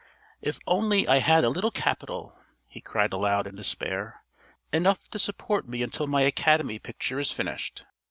"If only I had a little capital!" he cried aloud in despair. "Enough to support me until my Academy picture is finished."